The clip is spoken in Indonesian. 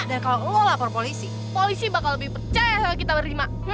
dan kalau lo lapor polisi polisi bakal lebih percaya sama kita berlima